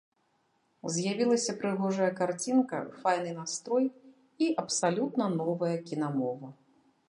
З'явілася прыгожая карцінка, файны настрой і абсалютна новая кінамова.